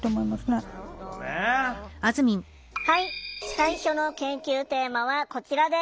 最初の研究テーマはこちらです。